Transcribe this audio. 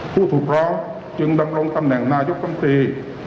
ผู้ถูกร้องจึงดำรงตำแหน่งนายกรรมตรี